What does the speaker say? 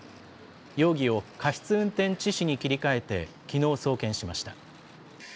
容疑を過失運転致死に切り替えてきのう、送検しました。